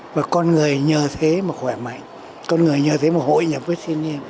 và con người nhờ thế mà khỏe mạnh con người nhờ thế mà hội nhập với thiên nhiên